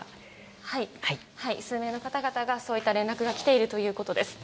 数名の方々からそういった連絡がきているということです。